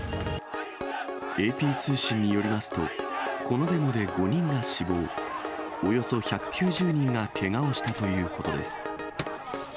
ＡＰ通信によりますと、このデモで５人が死亡、およそ１９０人がけがをしたということです。